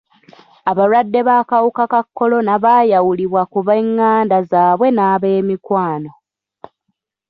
Abalwadde b'akawuka ka kolona baayawulibwa ku b'enganda zaabwe n'ab'emikwano.